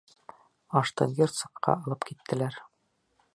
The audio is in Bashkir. Ашты герцогҡа алып киттеләр.